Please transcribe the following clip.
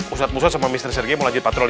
ustadz musa sama mister sergei mau lanjut patrol ya